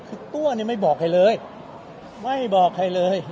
คือตัวเนี่ยไม่บอกใครเลยไม่บอกใครเลย